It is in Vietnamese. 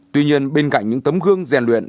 tuy nhiên bên cạnh những tấm gương gian luyện